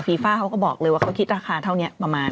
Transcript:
ฟ่าเขาก็บอกเลยว่าเขาคิดราคาเท่านี้ประมาณ